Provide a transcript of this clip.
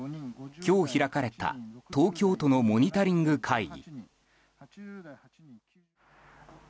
今日開かれた東京都のモニタリング会議。